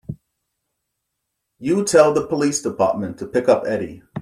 You tell the police department to pick up Eddie.